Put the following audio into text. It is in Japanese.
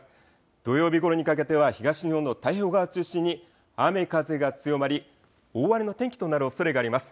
土曜日ごろにかけては東日本の太平洋側を中心に雨風が強まり、大荒れの天気となるおそれがあります。